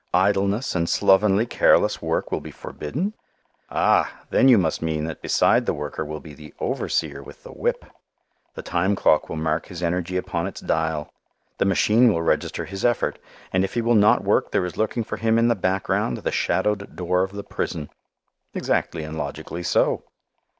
Idleness and slovenly, careless work will be forbidden? Ah! then you must mean that beside the worker will be the overseer with the whip; the time clock will mark his energy upon its dial; the machine will register his effort; and if he will not work there is lurking for him in the background the shadowed door of the prison. Exactly and logically so.